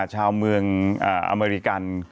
ชาวเมืองอเมริกัน